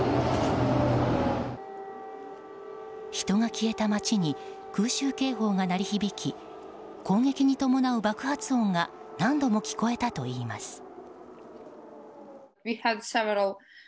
人が消えた街に空襲警報が鳴り響き攻撃に伴う爆発音が何度も聞こえたといいます。